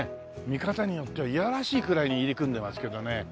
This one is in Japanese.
見方によってはいやらしいくらいに入り組んでますけどね。